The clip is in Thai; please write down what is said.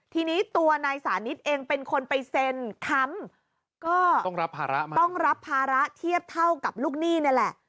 ทีนี้ตัวนายสานิทเองเป็นคนไปเซ็นค้ำก็ต้องรับภาระมาต้องรับภาระเทียบเท่ากับลูกหนี้นี่แหละ